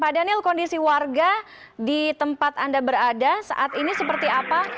pak daniel kondisi warga di tempat anda berada saat ini seperti apa